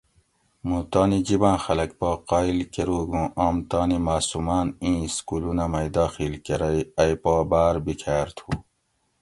مُوں تانی جِباۤں خلک پا قایٔل کۤروگ اُوں آم تانی ماۤسُوماۤن اِیں اِسکولونہ مئ داخیل کۤرئ ائ پا باۤر بِکھاۤر تھُو